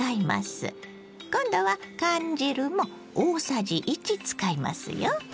今度は缶汁も大さじ１使いますよ。